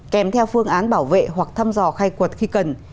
kèm theo phương án bảo vệ hoặc thăm dò khai quật khi cần